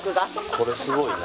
これすごいな。